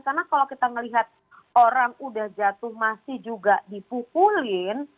karena kalau kita melihat orang udah jatuh masih juga dipukulin